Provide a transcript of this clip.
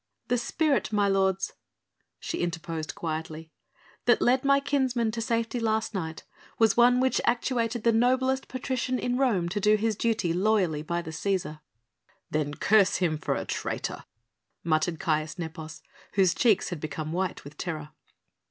"The spirit, my lords," she interposed quietly, "that led my kinsman to safety last night was one which actuated the noblest patrician in Rome to do his duty loyally by the Cæsar." "Then curse him for a traitor," muttered Caius Nepos, whose cheeks had become white with terror.